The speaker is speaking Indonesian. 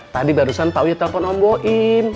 tadi barusan pak uyuh telpon om nooyim